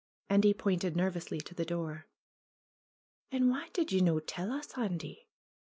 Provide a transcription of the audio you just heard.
Andy pointed nervously to the door. "And wha' did ye no' tell us, Andy